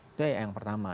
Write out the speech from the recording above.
itu yang pertama